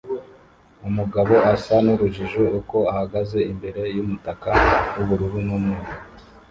Umugabo asa nurujijo uko ahagaze imbere yumutaka wubururu numweru